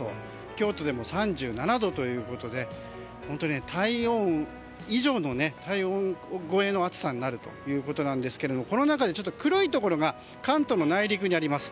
京都でも３７度ということで本当に体温超えの暑さになるということですけどもこの中で黒いところが関東の内陸にあります。